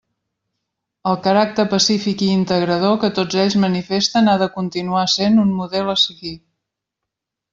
El caràcter pacífic i integrador que tots ells manifesten ha de continuar sent un model a seguir.